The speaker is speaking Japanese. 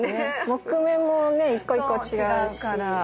木目も一個一個違うし。